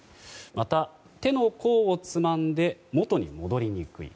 また、手の甲をつまんで元に戻りにくい。